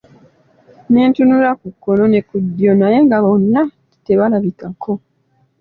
Ne tunula ku kkono ne ku ddyo naye nga wonna tebalabikako.